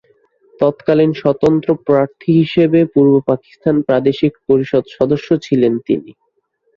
তৎকালীন স্বতন্ত্র প্রার্থী হিসেবে পূর্বপাকিস্তান প্রাদেশিক পরিষদ সদস্য ছিলেন তিনি।